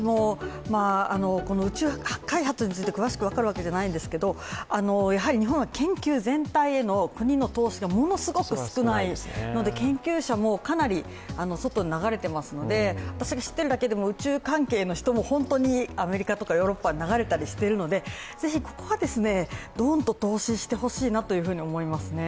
宇宙開発について詳しく分かるわけではないんですけど、やはり日本は研究全体への国の投資がものすごく少ないので研究者もかなり外に流れていますので、私が知っているだけでも、宇宙関係の人もアメリカとかヨーロッパに流れたりしているので、是非ここは、ドンと投資してほしいなと思いますね。